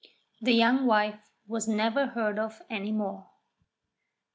The young wife was never heard of any more.